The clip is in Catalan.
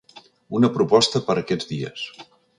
Una proposta per aquests dies.